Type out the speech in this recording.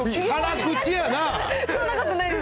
そんなことないです。